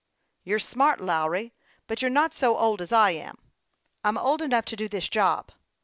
" You're smart, Lawry ; but you're not so old as I am." " I'm old enough to do this job."